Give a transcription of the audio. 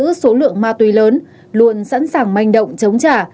với số lượng ma túy lớn luôn sẵn sàng manh động chống trả